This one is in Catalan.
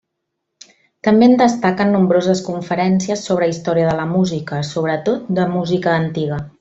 També en destaquen nombroses conferències sobre història de la música, sobretot de música antiga.